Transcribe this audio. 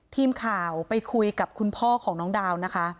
ทีมข่าวไปคุยกับคุณพ่อของน้องดาวนะคะ